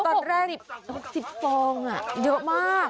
ตอนแรกอุ้ย๑๖ฟองอะเยอะมาก